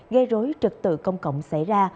gây rối trật tự công cộng xảy ra